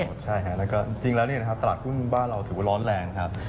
ใช่ก็จริงแล้วนี่นะครับตลาดหุ้นบ้านเราถือว่าร้อนแรงนะครับ